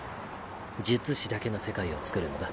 術師だけの世界をつくるんだ。